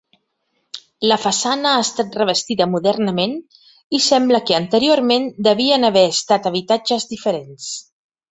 La façana ha estat revestida modernament i sembla que anteriorment devien haver estat habitatges diferents.